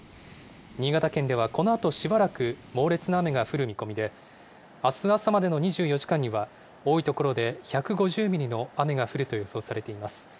新潟県ではこのあとしばらく猛烈な雨が降る見込みで、あす朝までの２４時間には、多い所で１５０ミリの雨が降ると予想されています。